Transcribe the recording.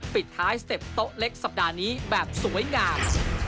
ปิดท้ายสเต็ปโต๊ะเล็กสัปดาห์นี้แบบสวยงาม